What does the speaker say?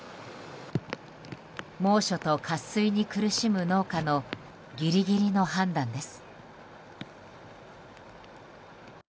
猛暑と渇水に苦しむ農家のギリギリの判断です。